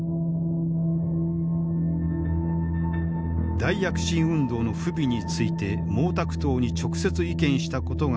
大躍進運動の不備について毛沢東に直接意見したことがあった李鋭。